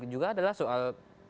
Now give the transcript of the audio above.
juga adalah soal